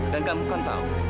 dan kamu kan tahu